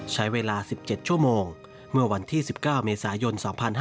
ใช้เวลา๑๗ชั่วโมงเมื่อวันที่๑๙เมษายน๒๕๕๙